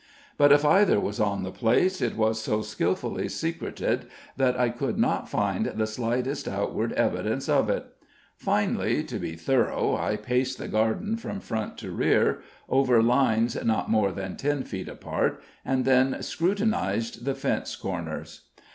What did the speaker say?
But if either was on the place, it was so skillfully secreted that I could not find the slightest outward evidence of it. Finally, to be thorough, I paced the garden from front to rear, over lines not more than ten feet apart, and then scrutinized the fence corners.